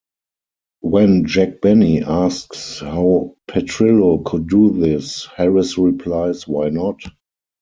When Jack Benny asks how Petrillo could do this, Harris replies Why not?